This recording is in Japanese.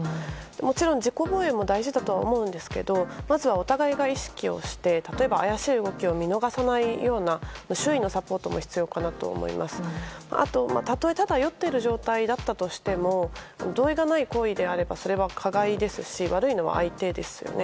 もちろん事故防衛も大事だと思うんですがまずはお互いが意識をして例えば、怪しい動きを見逃さないような周囲のサポートも必要かなと思いますしたとえ酔っている状態だったとしても同意がない行為であればそれは加害ですし悪いのは相手ですよね。